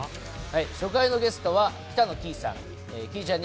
初回のゲストは北乃きいちゃん。